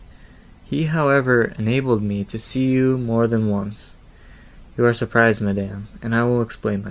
He however enabled me to see you more than once. You are surprised, madam, and I will explain myself.